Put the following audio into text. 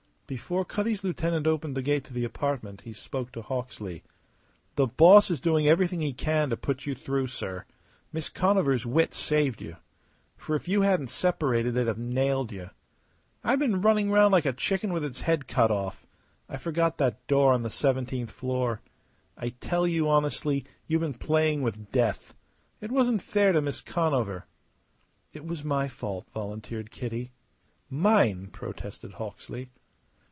Before Cutty's lieutenant opened the gate to the apartment he spoke to Hawksley. "The boss is doing everything he can to put you through, sir. Miss Conover's wit saved you. For if you hadn't separated they'd have nailed you. I've been running round like a chicken with its head cut off. I forgot that door on the seventeenth floor. I tell you honestly, you've been playing with death. It wasn't fair to Miss Conover." "It was my fault," volunteered Kitty. "Mine," protested Hawksley.